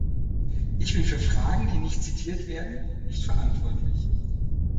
Ich bin für Fragen, die nicht zitiert werden, nicht verantwortlich.